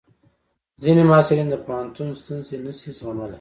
ځینې محصلین د پوهنتون ستونزې نشي زغملی.